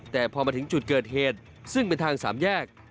แต่พอมาถึงจุดเกิดเหตุซึ่งเป็นทางสามแยก